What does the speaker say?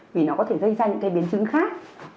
vì nó có thể gây ra những cái biến chứng khác